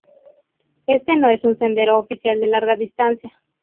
Este no es un sendero oficial de larga distancia.